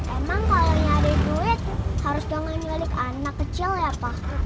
emang kalau nyari duit harus dong ngalik anak kecil ya pak